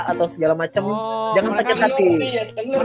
atau segala macem jangan takut hati ya